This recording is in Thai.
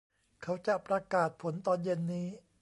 เขาจะประกาศผลตอนเย็นนี้